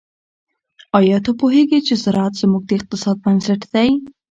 آیا ته پوهیږې چې زراعت زموږ د اقتصاد بنسټ دی؟